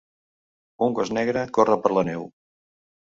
Un gos negre corre per la neu.